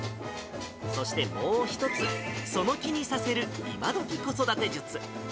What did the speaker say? そしてもう一つ、その気にさせる今どき子育て術。